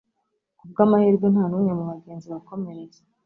Kubwamahirwe ntanumwe mubagenzi wakomeretse.